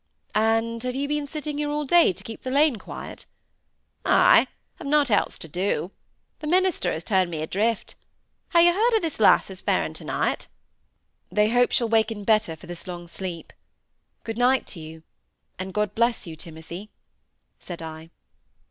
"And have you been sitting here all day to keep the lane quiet?" "Ay. I've nought else to do. Th' minister has turned me adrift. Have yo' heard how thv lass is faring to night?" "They hope she'll waken better for this long sleep. Good night to you, and God bless you, Timothy," said I.